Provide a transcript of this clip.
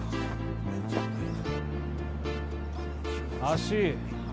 足。